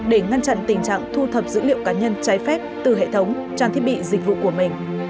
để ngăn chặn tình trạng thu thập dữ liệu cá nhân trái phép từ hệ thống trang thiết bị dịch vụ của mình